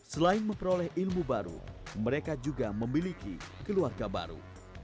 selain memperoleh ilmu baru mereka juga memiliki keluarga baru